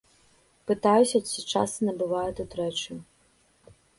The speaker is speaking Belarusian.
Пытаюся, ці часта набывае тут рэчы.